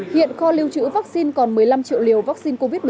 hiện kho lưu trữ vaccine còn một mươi năm triệu liều vaccine covid một mươi chín